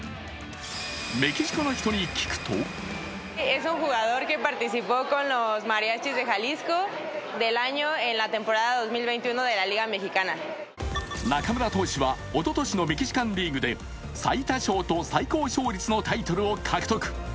メキシコの人に聞くと中村投手は、おととしのメキシカンリーグで最多勝と最高勝率のタイトルを獲得。